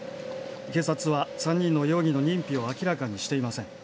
警察は３人の容疑の認否を明らかにしていません。